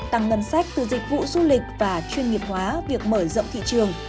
tăng ngân sách từ dịch vụ du lịch và chuyên nghiệp hóa việc mở rộng thị trường